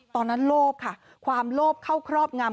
โลภค่ะความโลภเข้าครอบงำ